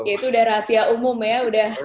ya itu udah rahasia umum ya